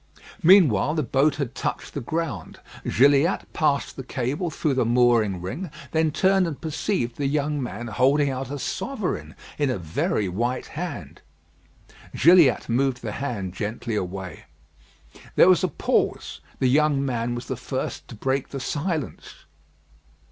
Meanwhile the boat had touched the ground. Gilliatt passed the cable through the mooring ring, then turned and perceived the young man holding out a sovereign in a very white hand. Gilliatt moved the hand gently away. There was a pause. The young man was the first to break the silence.